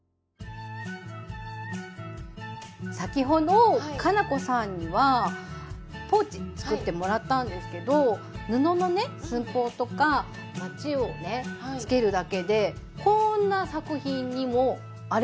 先ほど佳菜子さんにはポーチ作ってもらったんですけど布のね寸法とかまちをねつけるだけでこんな作品にもアレンジできちゃうんです。